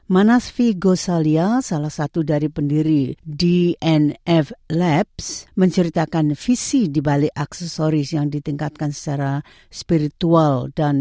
manasvi gosalia salah satu dari pendiri dnf labs menceritakan visi dibalik aksesoris yang ditingkatkan secara spiritual